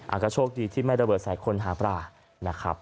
ก็โชคดีที่ไม่ระเบิดใส่คนหาปลานะครับ